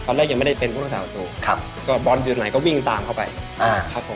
ตอนแรกยังไม่ได้เป็นผู้สาวประตูบอลอยู่ไหนก็วิ่งตามเข้าไปครับผม